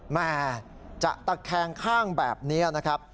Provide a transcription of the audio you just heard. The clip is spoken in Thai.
แม่จะตะแคงข้างแบบนี้นะครับ